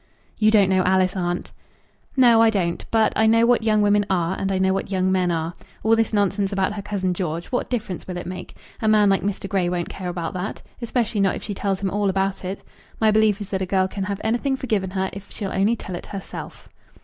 "You don't know Alice, aunt." "No, I don't. But I know what young women are, and I know what young men are. All this nonsense about her cousin George, what difference will it make? A man like Mr. Grey won't care about that, especially not if she tells him all about it. My belief is that a girl can have anything forgiven her, if she'll only tell it herself."